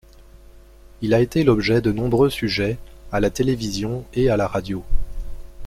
Il a été l'objet de nombreux sujets à la télévision et à la radio.